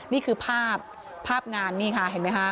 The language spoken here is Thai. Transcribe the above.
นี่คือภาพภาพงานนี่ค่ะเห็นไหมคะ